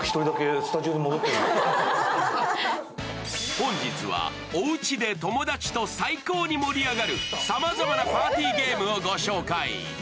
本日はおうちで友達と最高に盛り上がるさまざまなパーティーゲームを御紹介。